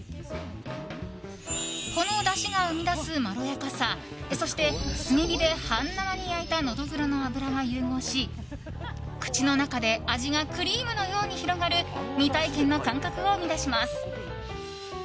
このだしが生み出すまろやかさそして、炭火で半生に焼いたノドグロの脂が融合し口の中で味がクリームのように広がる未体験の感覚を生み出します。